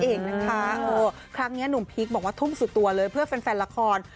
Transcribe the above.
เองนะคะครั้งนี้หนุ่มพีคบอกว่าทุ่มสุดตัวเลยเพื่อแฟนแฟนละคร